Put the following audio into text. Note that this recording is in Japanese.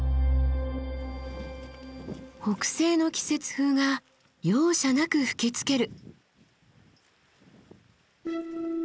北西の季節風が容赦なく吹きつける。